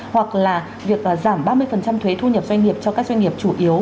hoặc là việc giảm ba mươi thuế thu nhập doanh nghiệp cho các doanh nghiệp chủ yếu